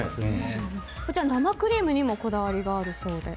生クリームにもこだわりがあるそうで。